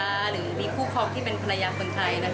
หรือมีคู่ครองที่เป็นภรรยาคนไทยนะคะ